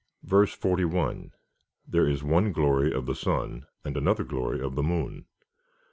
^ 41. There is one glory of the sun, and another glory of the moon.